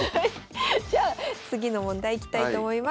じゃあ次の問題いきたいと思います。